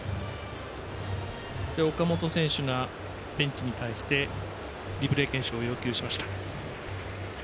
岡本選手がベンチに対してリプレー検証を要求しました。